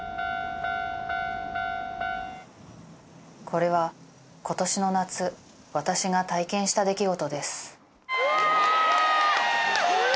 これは今年の夏私が体験した出来事ですうわ！